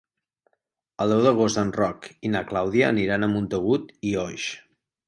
El deu d'agost en Roc i na Clàudia aniran a Montagut i Oix.